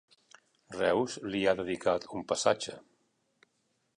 Reus li ha dedicat un passatge.